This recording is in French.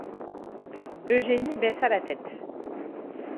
Eugénie baissa la tête.